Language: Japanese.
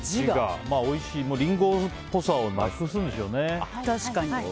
リンゴっぽさをなくすんでしょうね。